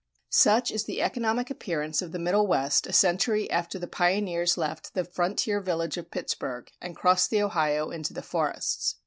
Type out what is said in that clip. Such is the economic appearance of the Middle West a century after the pioneers left the frontier village of Pittsburgh and crossed the Ohio into the forests.